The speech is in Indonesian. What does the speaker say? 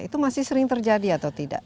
itu masih sering terjadi atau tidak